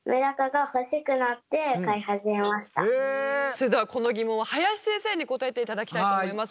それではこのギモンは林先生に答えていただきたいと思います。